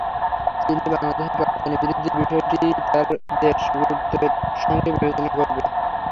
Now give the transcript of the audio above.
চীনে বাংলাদেশের রপ্তানি বৃদ্ধির বিষয়টি তাঁর দেশ গুরুত্বের সঙ্গে বিবেচনা করবে।